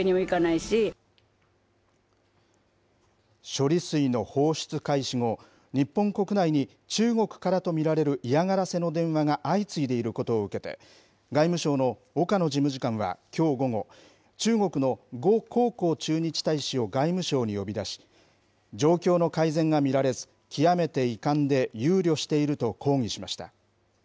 処理水の放出開始後、日本国内に、中国からと見られる嫌がらせの電話が相次いでいることを受けて、外務省の岡野事務次官はきょう午後、中国の呉江浩駐日大使を外務省に呼び出し、状況の改善が見られず、極めて遺憾で憂慮していると抗議しました。